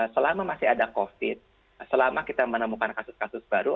selama masih ada covid selama kita menemukan kasus kasus baru